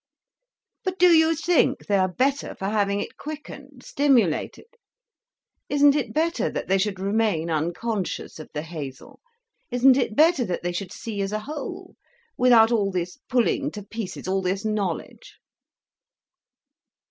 "But do you think they are better for having it quickened, stimulated? Isn't it better that they should remain unconscious of the hazel, isn't it better that they should see as a whole, without all this pulling to pieces, all this knowledge?"